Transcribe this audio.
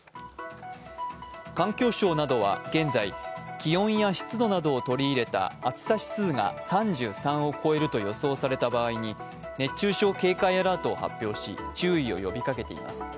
環境省などは現在、気温や湿度などを取り入れた暑さ指数が３３を超えると予想された場合に熱中症警戒アラートを発表し注意を呼びかけています。